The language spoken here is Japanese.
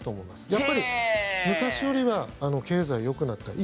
やっぱり昔よりは経済よくなったり。